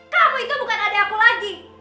kamu itu bukan adik aku lagi